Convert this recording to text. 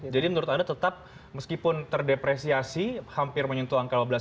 jadi menurut anda tetap meskipun terdepresiasi hampir menyentuh angka dua belas